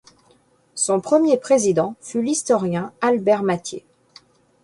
Son premier président fut l'historien Albert Mathiez.